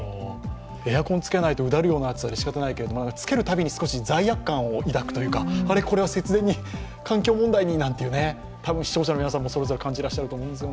エアコンつけないとうだるような暑さで仕方ないけど、つけるたびに罪悪感を抱くというか、これは節電に、環境問題になん多分、視聴者の皆さんも感じてらっしゃると思うんです。